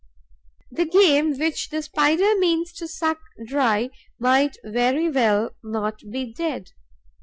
The game which the Spider means to suck dry might very well not be dead.